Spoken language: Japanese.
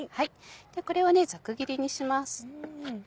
これをざく切りにします。